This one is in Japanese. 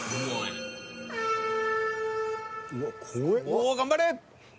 おお頑張れ！